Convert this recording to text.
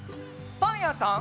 パンやさん！